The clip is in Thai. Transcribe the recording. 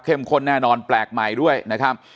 ข้นแน่นอนแปลกใหม่ด้วยนะครับ